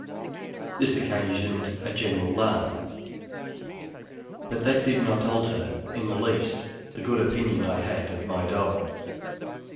This occasioned a general laugh; but that did not alter in the least the good opinion I had of my dog.